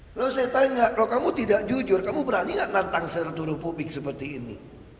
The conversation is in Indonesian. kalau saya tanya kalau kamu tidak jujur kamu berani nggak nantang seluruh publik seperti ini